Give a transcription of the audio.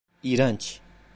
İğrenç!